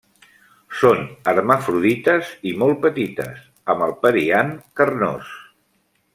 Són hermafrodites i molt petites, amb el periant carnós.